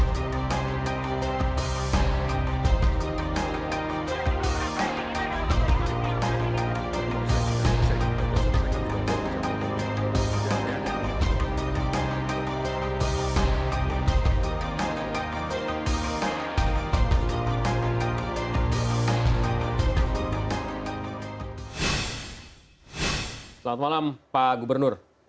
selamat malam pak gubernur